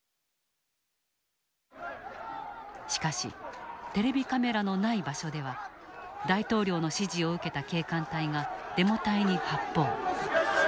しかしテレビカメラのない場所では大統領の指示を受けた警官隊がデモ隊に発砲。